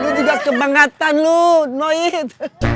lu juga kebangetan lu noid